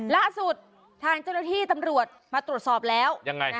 ล่าสุดทางเจ้าหน้าที่ตำรวจมาตรวจสอบแล้วยังไง